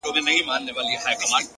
• ځكه د كلي مشر ژوند د خواركي ورانوي،